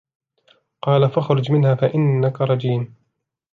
قال فاخرج منها فإنك رجيم